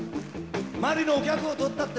「マリのお客をとったってサ」